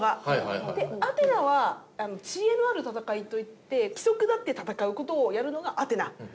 アテナは知恵のある戦いといって規則立って戦う事をやるのがアテナ。